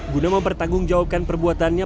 guna mempertanggungjawabkan perbuatannya